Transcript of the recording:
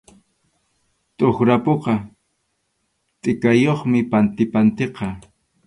Tʼuqra puka tʼikayuqmi pantipantiqa.